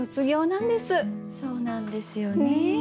そうなんですよね。